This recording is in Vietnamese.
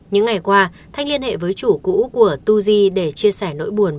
những ngày qua thành liên hệ với chủ cũ của tu di để chia sẻ nỗi buồn